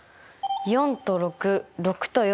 ４と６６と４。